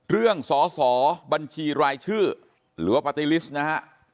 สอสอบัญชีรายชื่อหรือว่าปาร์ตี้ลิสต์นะฮะ